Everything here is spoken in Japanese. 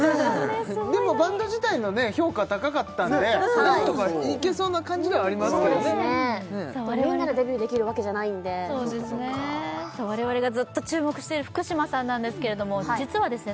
でもバンド自体のね評価は高かったんでなんとかいけそうな感じではありますけどねそうですねでもみんなでデビューできるわけじゃないんでさあ我々がずっと注目している福嶌さんなんですけれども実はですね